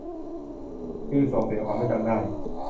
ฟิลส่งเสียงหอนเมื่อจำได้